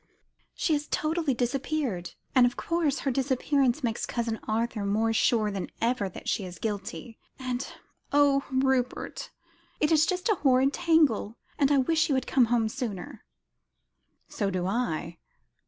"She has totally disappeared, and, of course, her disappearance makes Cousin Arthur more sure than ever that she is guilty; and oh! Rupert, it is just a horrid tangle, and I wish you had come home sooner." "So do I."